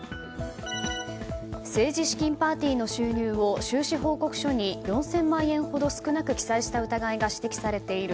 政治資金パーティーの収入を収支報告書に４０００万円ほど少なく記載した疑いが指摘されている